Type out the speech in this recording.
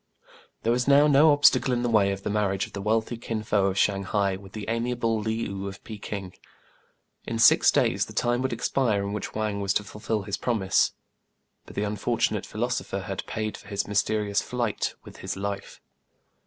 There was now no obstacle in the way of the marriage of the wealthy Kin Fo of Shang hai with the amiable Le ou of Pekin. In six days the time would expire in which Wang was to fulfil his promise ; but the unfortunate philoso pher had paid for his mysterious flight with his life.